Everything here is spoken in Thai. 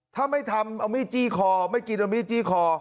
ถ้าไม่ทำเอามีดจี้คอไม่กินเอามีดจี้คอ